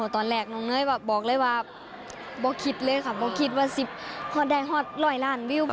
ตอนแรกน้องเนยบอกเลยว่าบอกคิดเลยค่ะบอกคิดว่า๑๐ฮอตได้ฮอตร้อยล้านวิว